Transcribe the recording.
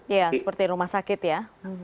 ya seperti rumah sakit ya